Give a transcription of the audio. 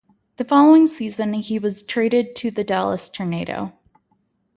The following season he was traded to the Dallas Tornado.